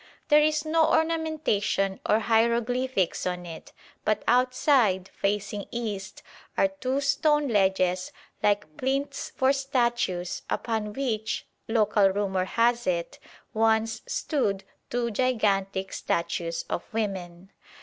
There is no ornamentation or hieroglyphics on it, but outside, facing east, are two stone ledges, like plinths for statues, upon which, local rumour has it, once stood two gigantic statues of women.